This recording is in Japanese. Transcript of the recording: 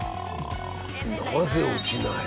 なぜ落ちない？